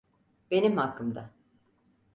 Benim hakkımda.